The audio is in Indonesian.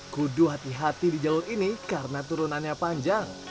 kudu hati hati di jalur ini karena turunannya panjang